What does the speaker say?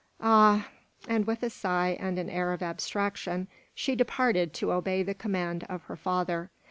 "Ah!" And with a sigh, and an air of abstraction, she departed to obey the command of her father.